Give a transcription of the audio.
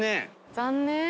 残念！